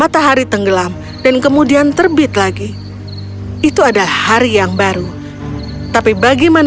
selamatkan diri kalian